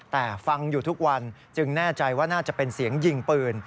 แต่ฟังอยู่ทุกวันจึงแน่ใจว่าน่าจะเป็นเสียงยิงปืน